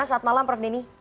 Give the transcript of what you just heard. selamat malam prof deni